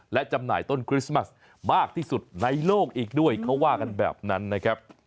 และจำหน่ายต้นคริสต์มัสมากที่สุดในโลกอีกด้วยเขาว่ากันแบบนั้นนะครับ